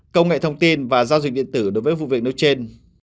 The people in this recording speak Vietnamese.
công nghệ thông tin và giao dịch điện tử đối với vụ việc nêu trên